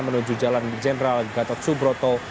menuju jalan jenderal gatot subroto